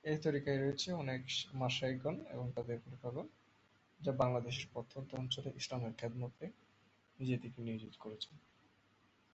শ্রাবণ বা শাওন মাস ভগবান শিবের প্রতি উৎসর্গিত।